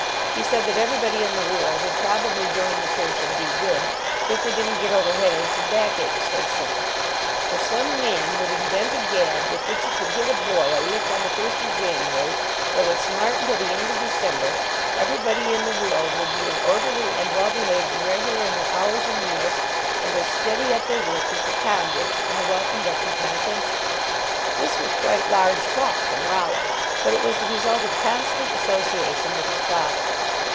He said that everybody in the world would probably join the church and be good, if they didn t get over headaches and backaches so soon. If some man would invent a gad with which you could hit a boy a lick on the first of Jan uary that would smart until the end of De cember, everybody in the world would be as 78 LEARNING TO TRAVEL orderly and well behaved and regular in their hours and meals, and as steady at their work, as the convicts in a well conducted peniten tiary. This was quite large talk from Rollo, but it was the result of constant association with his father.